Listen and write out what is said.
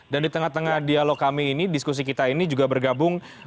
dan di tengah tengah dialog kami ini diskusi kita ini juga bergabung